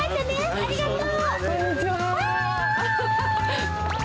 ありがとう。